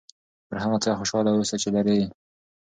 پر هغه څه خوشحاله اوسه چې لرې یې.